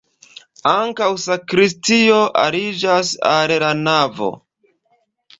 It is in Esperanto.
Ankaŭ sakristio aliĝas al la navo.